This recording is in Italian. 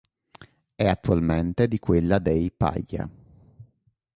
È attualmente di quella dei Paglia.